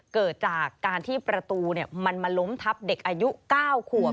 เกิดจากการที่ประตูมันมาล้มทับเด็กอายุ๙ขวบ